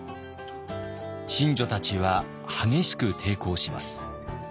神女たちは激しく抵抗します。